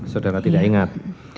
saudara tidak ingat